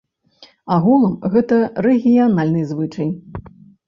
Агулам, гэта рэгіянальны звычай.